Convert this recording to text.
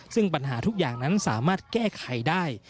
ซึ่งปัญหาทุกอย่างนั้นสามารถแก้ไขได้